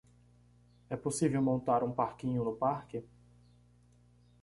É possível montar um parquinho no parque?